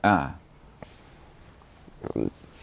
อ้า